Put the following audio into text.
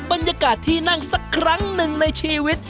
บรรยากาศที่นั่งสักครั้งหนึ่งในชีวิต